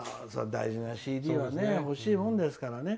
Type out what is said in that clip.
大事なＣＤは欲しいもんですからね。